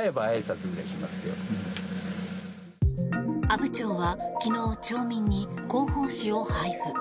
阿武町は昨日、町民に広報誌を配布。